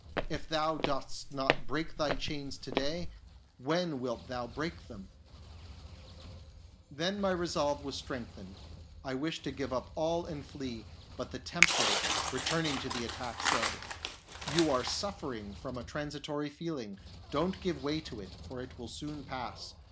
If thou dost not break thy chains to day, when wilt thou break them ?" Then my resolve was strengthened, I wished to give up all and flee ; but the Tempter, returning to the attack, said, " You are suffering from a transitory feeling ; don't give way to it, for it will soon pass.